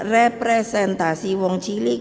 representasi wong cilik